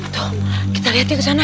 tuh kita liatnya kesana